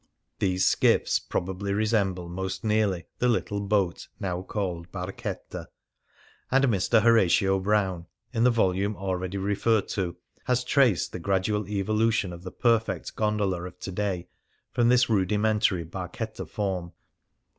These skiffs probably resemble most nearly the little boat now called harchetta ; and Mr. Horatio Brown, in the volume already referred to, has traced the gradual evolution of the perfect gondola of to day from this rudi mentary harchetta form.